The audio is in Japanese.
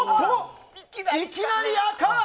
いきなり赤！